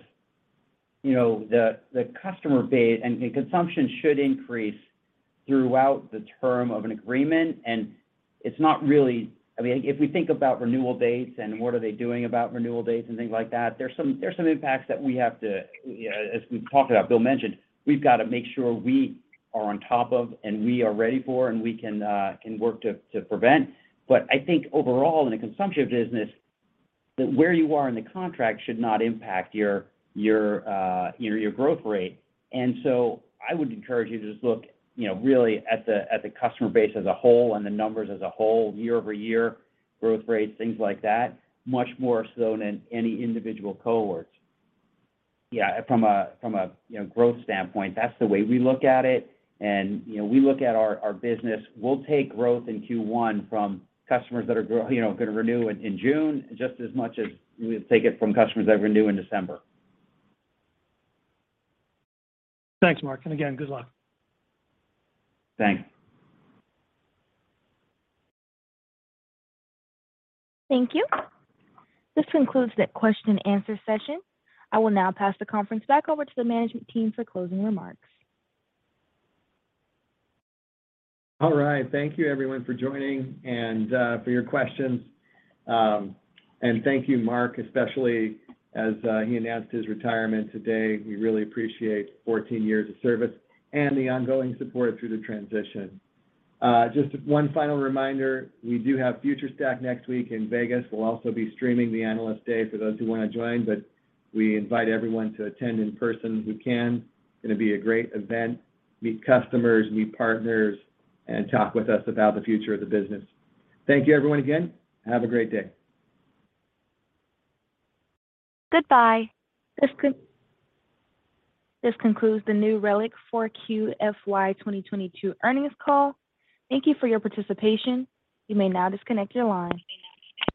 the customer base and consumption should increase. Throughout the term of an agreement, and it's not really. I mean, if we think about renewal dates and what are they doing about renewal dates and things like that, there's some impacts that we have to, yeah, as we've talked about, Bill mentioned, we've got to make sure we are on top of and we are ready for and we can work to prevent. I think overall in the consumption business, that where you are in the contract should not impact your growth rate. I would encourage you to just look, you know, really at the customer base as a whole and the numbers as a whole year-over-year growth rates, things like that, much more so than any individual cohorts. Yeah, from a you know, growth standpoint, that's the way we look at it. You know, we look at our business. We'll take growth in Q1 from customers that are you know, gonna renew in June just as much as we take it from customers that renew in December. Thanks, Mark. Again, good luck. Thanks. Thank you. This concludes the question and answer session. I will now pass the conference back over to the management team for closing remarks. All right. Thank you everyone for joining and, for your questions. And thank you, Mark, especially as he announced his retirement today. We really appreciate 14 years of service and the ongoing support through the transition. Just one final reminder, we do have FutureStack next week in Vegas. We'll also be streaming the Analyst Day for those who wanna join, but we invite everyone to attend in person who can. Gonna be a great event. Meet customers, meet partners, and talk with us about the future of the business. Thank you everyone again. Have a great day. Goodbye. This concludes the New Relic 4Q FY 2022 earnings call. Thank you for your participation. You may now disconnect your line. You may now disconnect.